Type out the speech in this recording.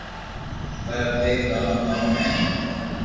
پر اپي ڪرو ڪاو ھين